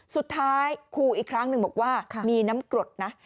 สุดท้ายครูอีกครั้งหนึ่งบอกว่ามีน้ำกรดนะ